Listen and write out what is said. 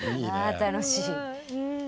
楽しい曲。